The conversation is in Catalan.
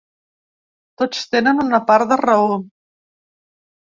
Tots tenen una part de raó.